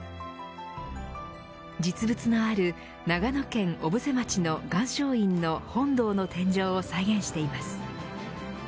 実物のある長野県小布施町の岩松院の本堂の天井を再現しています。